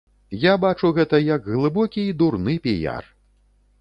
Я бачу гэта як глыбокі і дурны піяр.